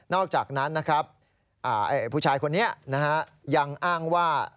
นอกจากนั้นผู้ชายคนนี้ยังอ้างว่า